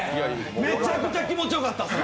めちゃくちゃ気持ちよかったですね。